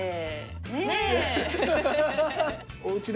ねえ。